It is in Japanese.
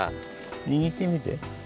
にぎってみて。